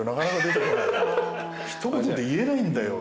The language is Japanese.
一言で言えないんだよ